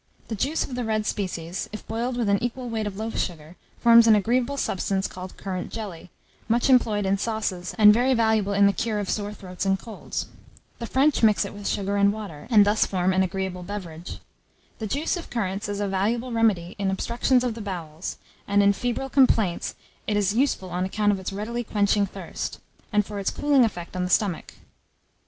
The juice of the red species, if boiled with an equal weight of loaf sugar, forms an agreeable substance called currant jelly, much employed in sauces, and very valuable in the cure of sore throats and colds. The French mix it with sugar and water, and thus form an agreeable beverage. The juice of currants is a valuable remedy in obstructions of the bowels; and, in febrile complaints, it is useful on account of its readily quenching thirst, and for its cooling effect on the stomach.